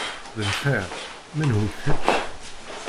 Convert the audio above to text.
D lxir! Menhu-k kečč?